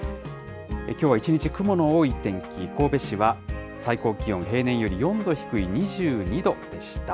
きょうは一日雲の多い天気、神戸市は最高気温、平年より４度低い２２度でした。